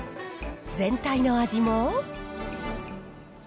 全体の味も。